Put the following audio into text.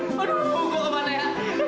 ampun aku ke mana ya